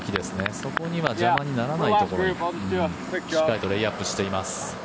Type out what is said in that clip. そこには邪魔にならないところにしっかりとレイアップしています。